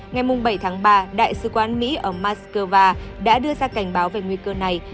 ngày bảy tháng ba đại sứ quán mỹ ở moscow đã đưa ra cảnh báo về nguy cơ này